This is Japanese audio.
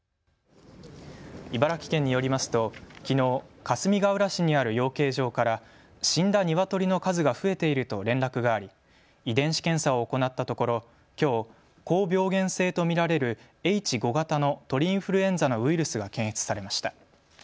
茨城県によりますときのうかすみがうら市にある養鶏場から死んだニワトリの数が増えていると連絡があり遺伝子検査を行ったところ、きょう高病原性と見られるＨ５型の鳥インフルエンザのウイルスが検出されました。